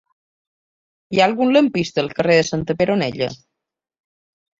Hi ha algun lampista al carrer de Santa Peronella?